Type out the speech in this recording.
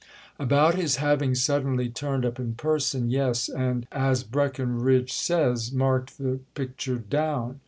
"About his having suddenly turned up in person, yes, and, as Breckenridge says, marked the picture down?"